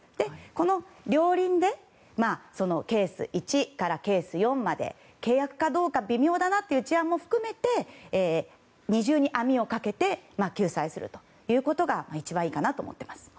この両輪でケース１からケース４まで契約かどうか微妙だなという事案も含めて二重に網をかけて救済するということが一番いいかなと思っています。